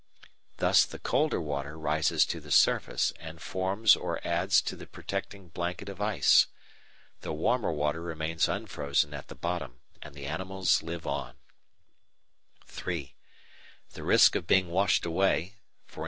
Thus the colder water rises to the surface and forms or adds to the protecting blanket of ice. The warmer water remains unfrozen at the bottom, and the animals live on. (3) The risk of being washed away, e.